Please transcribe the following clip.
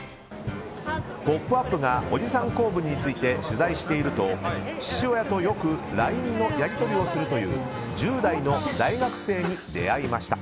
「ポップＵＰ！」が取材していると父親とよくＬＩＮＥのやり取りをするという１０代の大学生に出会いました。